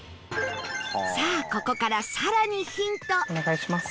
さあここから更にヒント